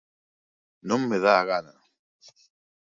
Non me dá a gana.